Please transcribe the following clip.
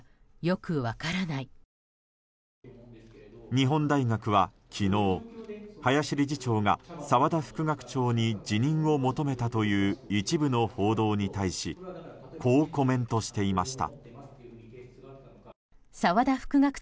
日本大学は昨日林理事長が澤田副学長に辞任を求めたという一部の報道に対しこうコメントしていました。